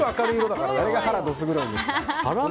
誰が腹どす黒いんですか。